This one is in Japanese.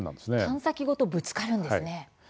探査機ごとぶつかるんですね。